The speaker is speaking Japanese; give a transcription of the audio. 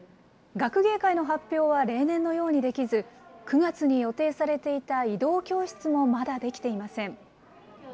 学芸会の発表は例年のようにできず、９月に予定されていた移動教室もまだできていません。